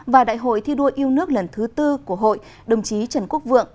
và đại hội thi đua yêu nước lần thứ tư của hội đồng chí trần quốc vượng